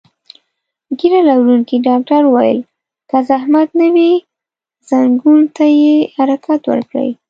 ږیره لرونکي ډاکټر وویل: که زحمت نه وي، ځنګون ته یې حرکت ورکړئ.